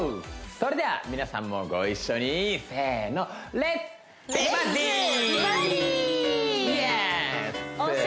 それでは皆さんもご一緒にせーのイエース！